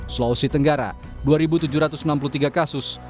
sulawesi tenggara dua tujuh ratus enam puluh tiga kasus